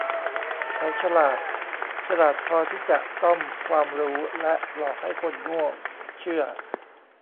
เขาฉลาด ฉลาดพอที่จะซ่อมความรู้และหลอกให้คนโง่เชื่อ